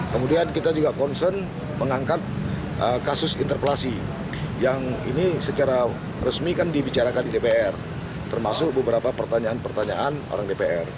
kemudian kita juga concern mengangkat kasus interpelasi yang ini secara resmi kan dibicarakan di dpr termasuk beberapa pertanyaan pertanyaan orang dpr